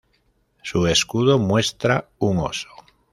Su escudo muestra un oso.